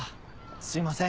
すいません